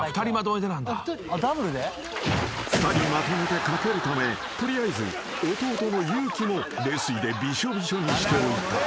［２人まとめてかけるため取りあえず弟の有輝も冷水でびしょびしょにしておいた］